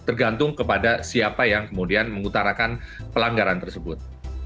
tergantung kepada siapa yang kemudian mengutarakan pelanggaran tersebut